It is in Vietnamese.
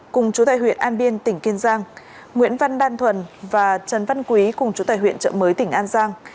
cùng chủ tài huyện an biên tỉnh kiên giang nguyễn văn đan thuần và trần văn quý cùng chủ tài huyện trậm mới tỉnh an giang